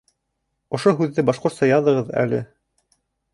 Ошо һүҙҙе башҡортса яҙығыҙ әле.